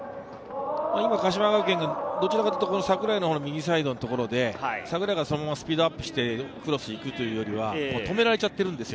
鹿島学園がどちらかというと櫻井の右サイドのところで、そのままスピードアップしてクロスに行くというよりは龍谷に止められているんですよ。